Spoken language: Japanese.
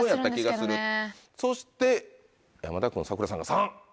そして山田君サクラさんが３。